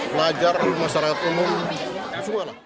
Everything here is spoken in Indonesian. pelajar masyarakat umum semua lah